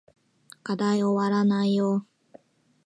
課題おわらないよ